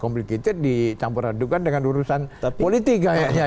komplikasi dicampurkan dengan urusan politik kayaknya